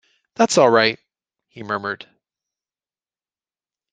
"That's all right," he murmured.